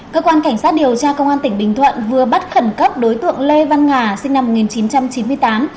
cơ quan cảnh sát điều tra công an tỉnh bình thuận vừa bắt khẩn cấp đối tượng lê văn nga sinh năm một nghìn chín trăm chín mươi tám